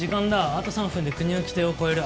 あと３分で国の規定を超える。